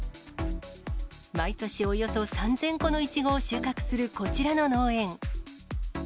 毎年およそ３０００個のいちごを収穫するこちらの農園。